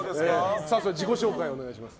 自己紹介をお願いします。